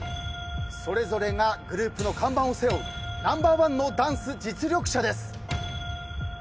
それぞれがグループの看板を背負うナンバーワンのダンス実力者です。